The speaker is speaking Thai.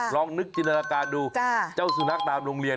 ลองนึกจินตนาการดูเจ้าสุนัขตามโรงเรียน